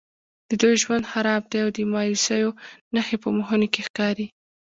د دوی ژوند خراب دی او د مایوسیو نښې په مخونو کې ښکاري.